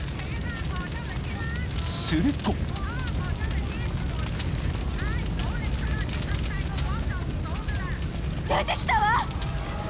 ［すると］出てきたわ。